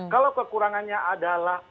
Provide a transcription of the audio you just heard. kalau kekurangannya adalah